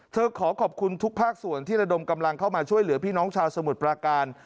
ขอขอบคุณทุกภาคส่วนที่ระดมกำลังเข้ามาช่วยเหลือพี่น้องชาวสมุทรปราการ